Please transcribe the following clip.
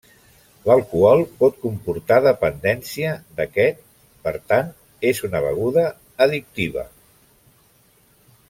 L'alcohol pot comportar dependència d'aquest per tant és una beguda addictiva.